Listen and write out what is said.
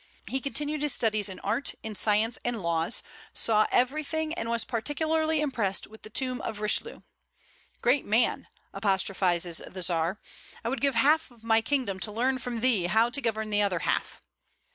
He continued his studies in art, in science, and laws, saw everything, and was particularly impressed with the tomb of Richelieu. "Great man!" apostrophizes the Czar, "I would give half of my kingdom to learn from thee how to govern the other half."